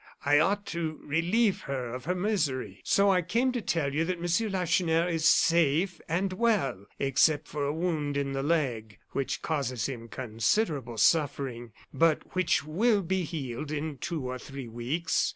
I ought to relieve her of her misery.' So I came to tell you that Monsieur Lacheneur is safe and well, except for a wound in the leg, which causes him considerable suffering, but which will be healed in two or three weeks.